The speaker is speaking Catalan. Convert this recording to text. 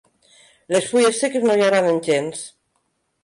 Les fulles seques no li agraden gens.